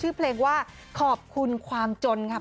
ชื่อเพลงว่าขอบคุณความจนค่ะ